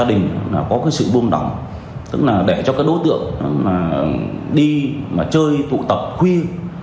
đi mà chơi tụ tập khuya